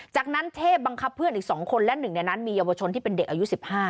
จากนั้นเทพบังคับเพื่อนอีก๒คนและหนึ่งในนั้นมีเยาวชนที่เป็นเด็กอายุ๑๕